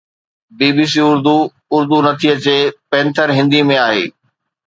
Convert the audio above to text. بي B C Urdu Urdu نٿي اچي، panther Hindi ۾ آهي